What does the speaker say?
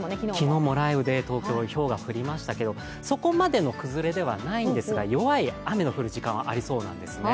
昨日も雷雨で東京、ひょうが降りましたけれども、そこまでの崩れではないんですが、弱い雨の降る時間はありそうなんですね。